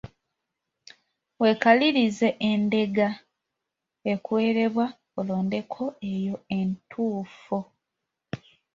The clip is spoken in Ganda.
Weekalirize endeega ekuweerebbwa olondeko eyo entuufu.